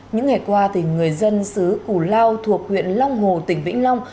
những ngày qua người dân xứ củ lao thuộc huyện long hồ tỉnh vĩnh long